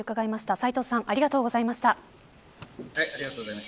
斎藤さんありがとうございました。